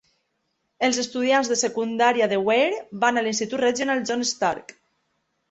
Els estudiants de secundària de Weare van a l'Institut Regional John Stark.